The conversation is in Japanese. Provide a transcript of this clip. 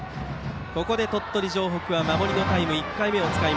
ここで鳥取城北は守りのタイム、１回目。